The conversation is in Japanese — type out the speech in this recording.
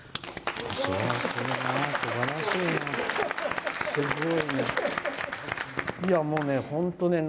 すばらしいな。